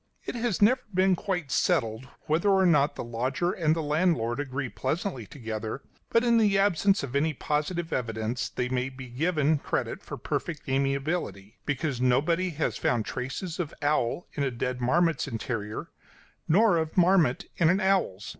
It has never been quite settled whether or not the lodger and the landlord agree pleasantly together, but in the absence of any positive evidence they may be given credit for perfect amiability; because nobody has found traces of owl in a dead marmot's interior, nor of marmot in an owl's.